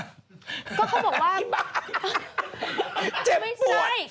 ก็เขาบอกว่าเจ็บปวด